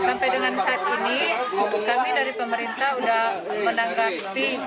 sampai dengan saat ini kami dari pemerintah sudah menanggapi